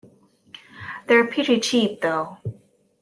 They're pretty cheap, though.